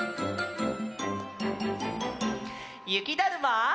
ゆきだるま？